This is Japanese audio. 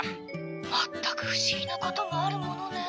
「全く不思議なこともあるものねえ」。